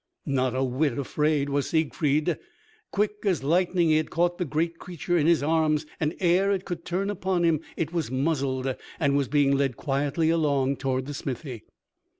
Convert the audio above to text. Not a whit afraid was Siegfried. Quick as lightning he had caught the great creature in his arms, and ere it could turn upon him, it was muzzled, and was being led quietly along toward the smithy.